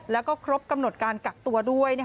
แล้วก็ครบกำหนดการกักตัวด้วย